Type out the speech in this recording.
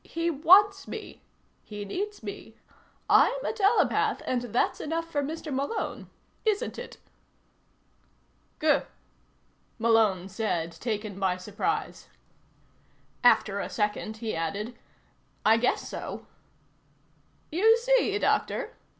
He wants me. He needs me. I'm a telepath, and that's enough for Mr. Malone. Isn't it?" "Gur," Malone said, taken by surprise. After a second he added: "I guess so." "You see, Doctor?"